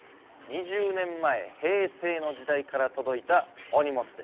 ２０年前平成の時代から届いたお荷物です。